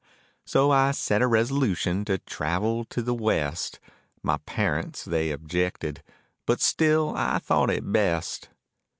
So I set a resolution to travel to the West, My parents they objected, but still I thought it best.